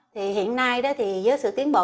thì hiện nay đó thì với sự tiến bộ